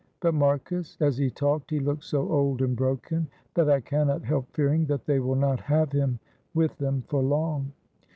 But, Marcus, as he talked he looked so old and broken that I cannot help fearing that they will not have him with them for long."